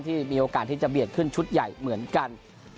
ที่มีโอกาสที่จะเบียดขึ้นชุดใหญ่เหมือนกัน